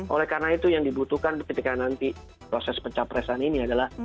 oleh karena itu yang dibutuhkan ketika nanti proses pencapresan ini adalah